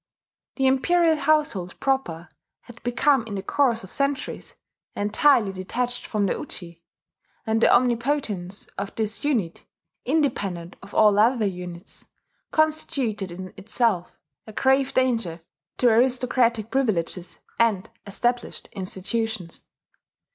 The Imperial household proper had become, in the course of centuries, entirely detached from the Uji; and the omnipotence of this unit, independent of all other units, constituted in itself a grave danger to aristocratic privileges and established institutions.